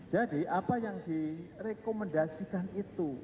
jadi apa yang direkomendasikan itu